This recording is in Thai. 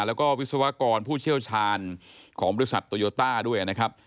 แล้วก็วิศวกรผู้เชี่ยวชาญของบริษัทโตโยต้าด้วยนะครับ